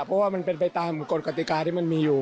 เพราะว่ามันเป็นไปตามกฎกติกาที่มันมีอยู่